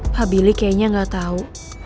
pak billy kayaknya gak tau